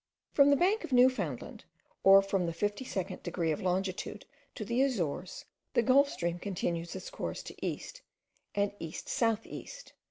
From the bank of Newfoundland, or from the 52nd degree of longitude to the Azores, the Gulf stream continues its course to east and east south east.